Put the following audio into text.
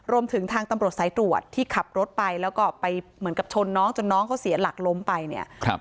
รวมถึงทางตำรวจสายตรวจที่ขับรถไปแล้วก็ไปเหมือนกับชนน้องจนน้องเขาเสียหลักล้มไปเนี่ย